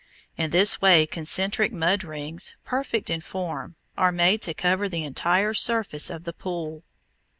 In this way concentric mud rings, perfect in form, are made to cover the entire surface of the pool.